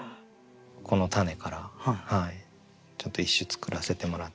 このたねからちょっと一首作らせてもらって。